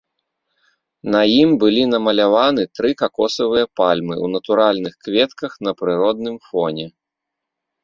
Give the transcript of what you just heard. На ім былі намаляваны тры какосавыя пальмы ў натуральных кветках на прыродным фоне.